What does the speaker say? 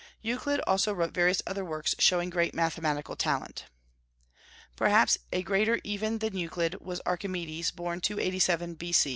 Euclid also wrote various other works, showing great mathematical talent. Perhaps a greater even than Euclid was Archimedes, born 287 B.